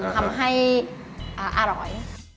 ทำให้อร่อย